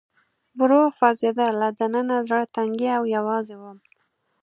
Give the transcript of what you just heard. ورو خوځېده، له دننه زړه تنګی او یوازې ووم.